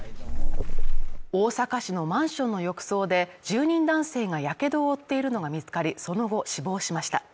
大阪市のマンションの浴槽で住人男性がやけどを負っているのが見つかり、その後死亡しました。